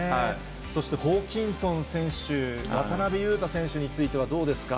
そしてホーキンソン選手、渡邊雄太選手については、どうですか。